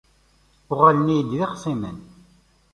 Uɣalen-iyi-d d ixṣimen.